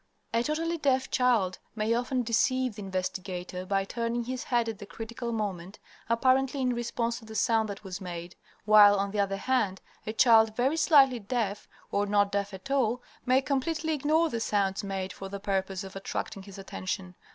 A totally deaf child may often deceive the investigator by turning his head at the critical moment, apparently in response to the sound that was made, while, on the other hand, a child very slightly deaf, or not deaf at all, may completely ignore the sounds made for the purpose of attracting his attention.